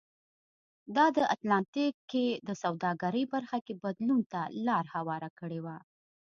دا د اتلانتیک کې د سوداګرۍ برخه کې بدلون ته لار هواره کړې وه.